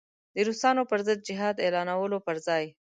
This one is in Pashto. د روسانو پر ضد جهاد اعلانولو پر ځای.